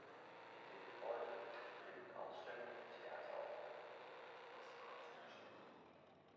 In dem Gebäude finden Ausstellungen, Theateraufführungen und Musikkonzerte statt.